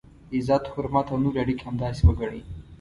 عزت، حرمت او نورې اړیکي همداسې وګڼئ.